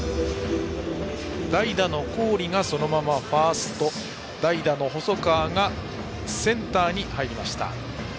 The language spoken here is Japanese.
代打の郡がそのままファースト代打の細川がセンターに入りました。